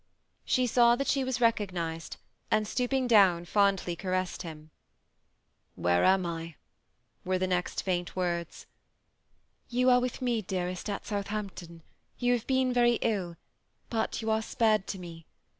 She saw that she was recognized, and stooping down, fondly caressed him. " Where am I ?" were the next faint words. "You are with me, dearest, at South ampton ; you have been very ill, but you are spared to me.